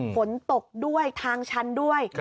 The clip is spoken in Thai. ฝนตกด้วยทางชันด้วย